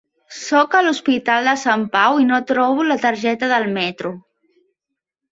Sóc a l'Hospital de Sant Pau i no trobo la targeta de metro!